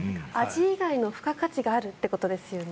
味以外の付加価値があるということですよね。